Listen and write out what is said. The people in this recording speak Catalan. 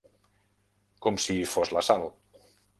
Com si fos la Sal.